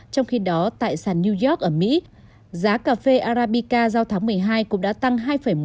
trong khi đó tại sàn new york ở mỹ giá cà phê arabica giao tháng một mươi hai cũng đã tăng hai một